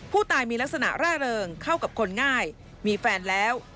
ผู้ตายมีลักษณะร่าเริงเข้ากับคนง่ายมีแฟนแล้ว